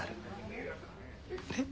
えっ？